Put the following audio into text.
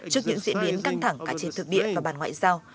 trước những diễn biến căng thẳng cả trên thực địa và bàn ngoại giao